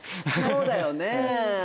そうだよね。